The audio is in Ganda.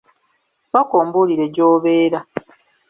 Sooka ombulire gy'obeera.